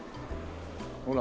ほら。